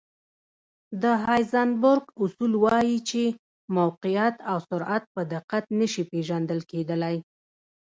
د هایزنبرګ اصول وایي چې موقعیت او سرعت په دقت نه شي پېژندل کېدلی.